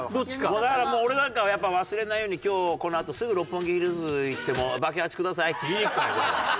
だから俺なんかはやっぱ忘れないように今日このあとすぐ六本木ヒルズ行ってバケハチくださいって言いに行くからね俺。